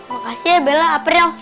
makasih ya bella april